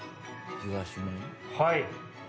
はい。